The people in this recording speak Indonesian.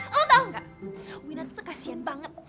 lo tau gak wina tuh kasian banget